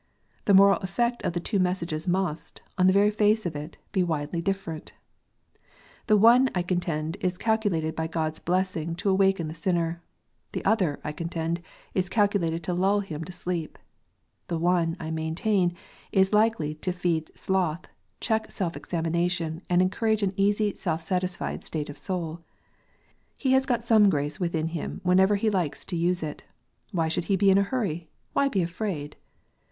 The moral effect of the two messages must, on the very face of it, be widely different. The one, I contend, is calculated by God s blessing to awaken the sinner. The other, I contend, is calculated to lull him to sleep. The one, I maintain, is likely to feed sloth, check self examination, and encourage an easy self satisfied state of soul : he has got some grace within him whenever he likes to use it, why should he be in a hurry, why be afraid